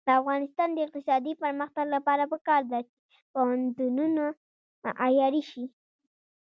د افغانستان د اقتصادي پرمختګ لپاره پکار ده چې پوهنتونونه معیاري شي.